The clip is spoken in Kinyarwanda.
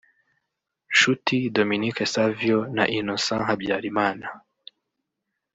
Nshuti Dominique Savio na Innocent Habyarimana